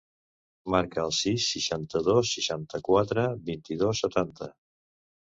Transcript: Marca el sis, seixanta-dos, seixanta-quatre, vint-i-dos, setanta.